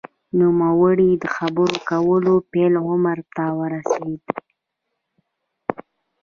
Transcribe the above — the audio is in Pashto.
نوموړی د خبرو کولو د پیل عمر ته ورسېد